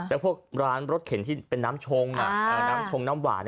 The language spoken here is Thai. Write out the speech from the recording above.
แต่พวกร้านรสเข็นที่เป็นน้ำชงน้ำหวาน